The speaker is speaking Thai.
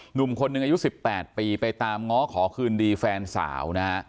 หนุ่มคนหนึ่งอายุ๑๘ปีไปตามง้อขอคืนดีแฟนสาวนะฮะ